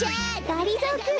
がりぞーくん